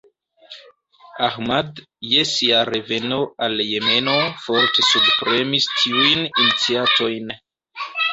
Ahmad je sia reveno al Jemeno forte subpremis tiujn iniciatojn.